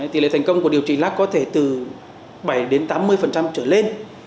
tỷ lệ thành công của điều trị lác có thể từ bảy đến tám mươi trở lên